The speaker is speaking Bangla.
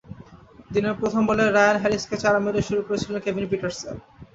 দিনের প্রথম বলেই রায়ান হ্যারিসকে চার মেরে শুরু করেছিলেন কেভিন পিটারসেন।